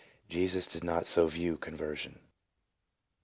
Jesus did not so view conversion."